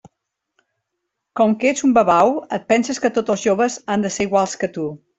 Com que ets un babau, et penses que tots els joves han de ser iguals que tu.